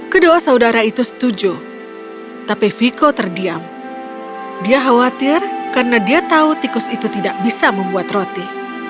kedua saudara itu setuju tapi viko terdiam dia khawatir karena dia tahu tikus itu tidak bisa membuat roti